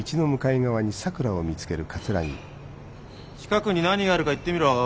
近くに何があるか言ってみろ。